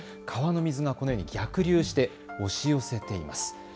川の水がこのように逆流して押し寄せています。